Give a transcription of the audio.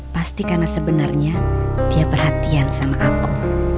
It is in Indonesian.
pasti karena sebenarnya dia perhatian sama aku